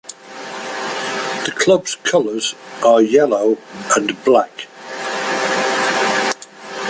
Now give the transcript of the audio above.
The club's colours are yellow and black.